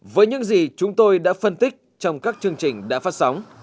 với những gì chúng tôi đã phân tích trong các chương trình đã phát sóng